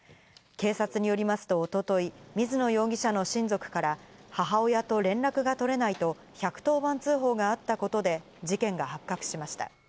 警察によりますと一昨日、水野容疑者の親族から母親と連絡が取れないと１１０番通報があったことで事件が発覚しました。